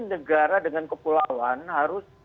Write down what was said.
negara dengan kepulauan harus